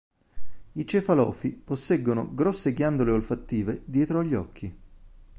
I cefalofi posseggono grosse ghiandole olfattive dietro agli occhi.